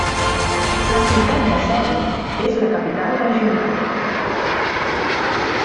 La ciutat de Cebu és la capital regional.